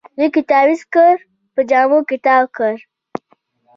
لیک یې تاویز کړ، په جامو کې تاوکړ